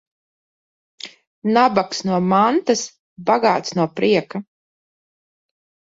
Nabags no mantas, bagāts no prieka.